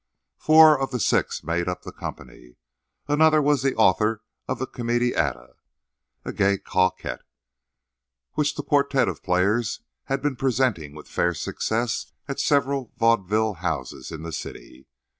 Four of the six made up the company. Another was the author of the comedietta, "A Gay Coquette," which the quartette of players had been presenting with fair success at several vaudeville houses in the city.